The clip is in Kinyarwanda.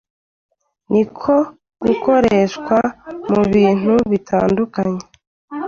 ni ko gukoreshwa mu bintu bitandukanye.